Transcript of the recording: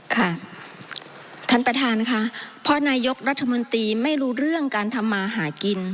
ค่ะท่านประธานค่ะเพราะนายกรัฐมนตรีไม่รู้เรื่องการทำมาหากิน